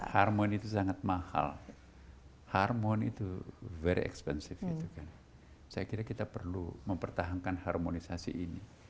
harmoni itu sangat mahal harmoni itu very expensive saya kira kita perlu mempertahankan harmonisasi ini